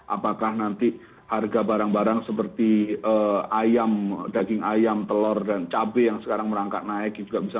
apakah nanti harga barang barang seperti ayam daging ayam telur dan cabai yang sekarang merangkak naik juga bisa